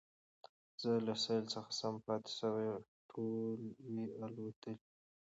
زه له سېل څخه سم پاته هغوی ټول وي الوتلي